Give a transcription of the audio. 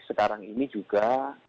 sekarang ini juga